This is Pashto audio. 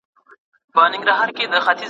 د سر پوست پاک وساته